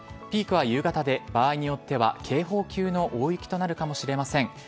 ピークは夕方で場合によっては警報級の大雪となるかもしれません。